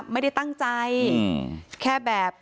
ไม่ได้ตั้งใจแค่แบบ